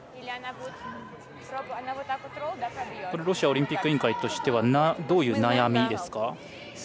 ロシアオリンピック委員会としてはどういう悩みですか？